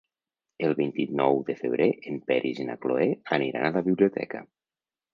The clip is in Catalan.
El vint-i-nou de febrer en Peris i na Cloè aniran a la biblioteca.